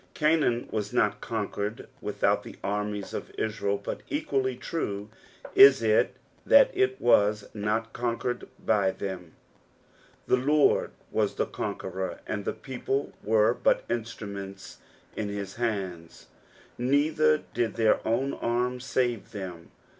Caoa&D was not conquered witliout the armies of Israel, but equally true is il that it was not conquered by them ; the Lord was the conqueror, Bud the people wero but iuBtrumenta in his hands, "NeUher did their own arm tatie Oiem."